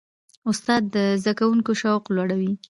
استاد د زده کوونکي شوق لوړوي.